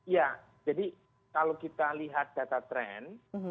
ya jadi kalau kita lihat data tren